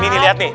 nih dilihat nih